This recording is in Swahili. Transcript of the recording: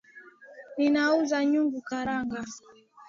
Ninauza njugu karanga